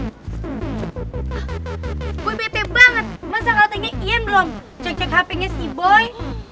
gue bete banget masa gak nanya ian belum cek cek hpnya si boy